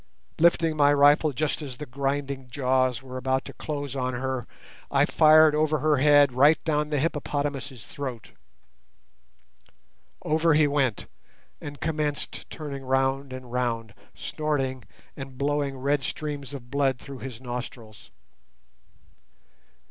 Lifting my rifle just as the grinding jaws were about to close on her, I fired over her head right down the hippopotamus's throat. Over he went, and commenced turning round and round, snorting, and blowing red streams of blood through his nostrils.